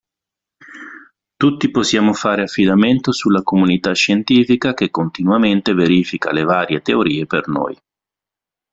Tutti possiamo fare affidamento sulla comunità scientifica che continuamente verifica le varie teorie per noi.